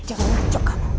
jangan macuk kamu